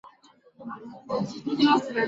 憧憬的声优是福山润。